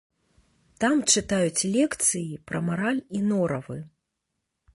Там чытаюць лекцыі пра мараль і норавы.